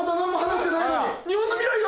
日本の未来は？